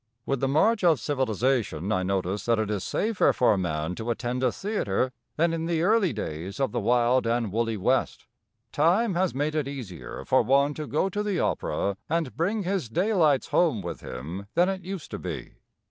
With the march of civilization I notice that it is safer for a man to attend a theatre than in the early days of the wild and wooly west. Time has made it easier for one to go to the opera and bring his daylights home with him than it used to be.